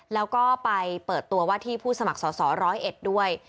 แล้วก็ไปเปิดตัวว่าที่ผู้สมัครสอสอร้อยเอ็ดด้วย